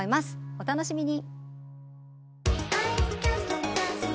お楽しみに。